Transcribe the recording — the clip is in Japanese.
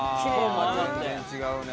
「全然違うね」